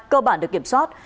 cơ bản được kiểm soát